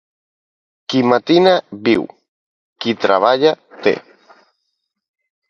Qui matina viu, qui treballa té.